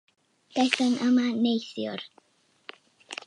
Daethom yma neithiwr.